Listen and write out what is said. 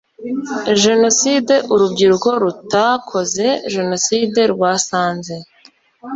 jenoside, urubyiruko rutakoze jenoside rwasanze